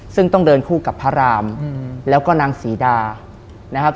ซึ่งต้องเดินคู่กับพระรามแล้วก็นางศรีดานะครับ